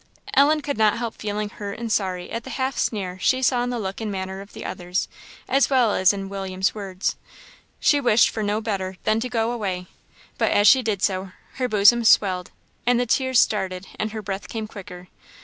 Ellen could not help feeling hurt and sorry at the half sneer she saw in the look and manner of the others, as well as in William's words. She wished for no better than to go away; but as she did so, her bosom swelled, and the tears started, and her breath came quicker.